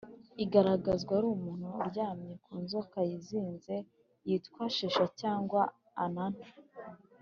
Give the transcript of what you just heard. igaragazwa ari umuntu uryamye ku nzoka yizinze yitwa shesha cyangwa ananta